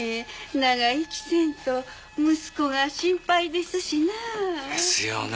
長生きせんと息子が心配ですしな。ですよね。